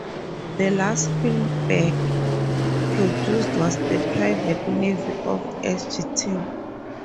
The last film Beck produced was The Private Navy of Sgt.